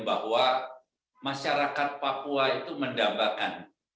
bahwa masyarakat papua itu mendambakan